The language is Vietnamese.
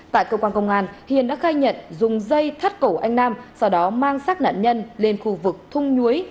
tại cơ quan công an hiền đã khai nhận dùng dây thắt cổ anh nam sau đó mang sát nạn nhân lên khu vực thung nhuối